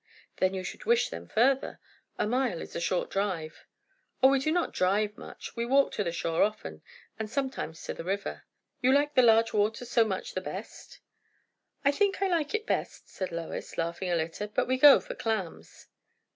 "Then you should wish them further. A mile is a short drive." "O, we do not drive much. We walk to the shore often, and sometimes to the river." "You like the large water so much the best?" "I think I like it best," said Lois, laughing a little; "but we go for clams."